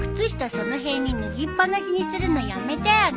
その辺に脱ぎっ放しにするのやめてよね。